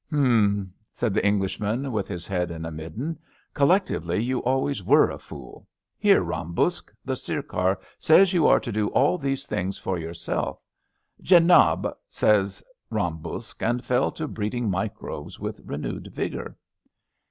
H'ml " said the Englishman with his head 88 ABAFT THE FUNNEL in a midden; collectively you always were a fooL Here, Earn Buksh, the Sirkar says you are to do all these things for yourself.^' *^ Jendbl '' says Ram Buksh, and fell to breed ing microbes with renewed vigour.